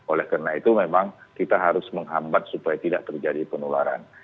oleh karena itu memang kita harus menghambat supaya tidak terjadi penularan